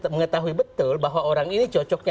mengetahui betul bahwa orang ini cocoknya